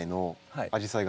はい。